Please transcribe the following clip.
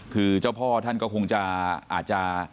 คือเจ้าพ่อท่านก็คงจะอาจจะ